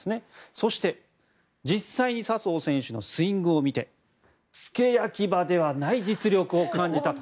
そして、実際に笹生選手のスイングを見て付け焼き刃ではない実力を感じたと。